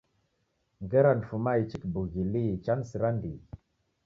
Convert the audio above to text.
Ngera nifuma ichi kibughi lii chanisira ndighi